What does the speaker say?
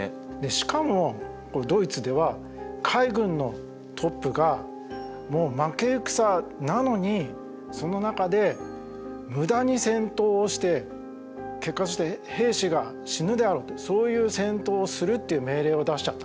しかもドイツでは海軍のトップがもう負け戦なのにその中で無駄に戦闘をして結果として兵士が死ぬであろうってそういう戦闘をするっていう命令を出しちゃった。